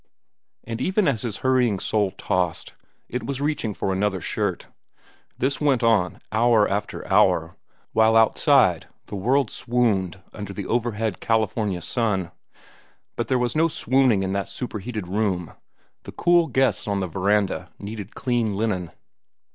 And even as his hurrying soul tossed, it was reaching for another shirt. This went on, hour after hour, while outside all the world swooned under the overhead California sun. But there was no swooning in that superheated room. The cool guests on the verandas needed clean linen.